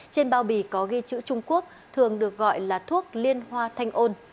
trên bao bì có ghi chữ trung quốc thường được gọi là thuốc liên hoa thanh ôn